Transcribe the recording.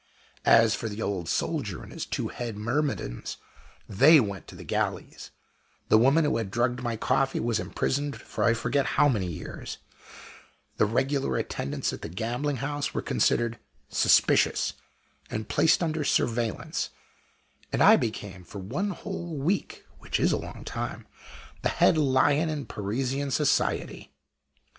As for the Old Soldier and his two head myrmidons, they went to the galleys; the woman who had drugged my coffee was imprisoned for I forget how many years; the regular attendants at the gambling house were considered "suspicious" and placed under "surveillance"; and I became, for one whole week (which is a long time) the head "lion" in Parisian society.